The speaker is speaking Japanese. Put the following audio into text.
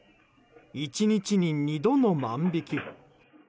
１日に２度の万引き。